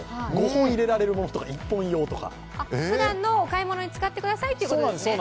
５本入れられるものとか、１本用とかふだんのお買い物に使ってくださいということですね。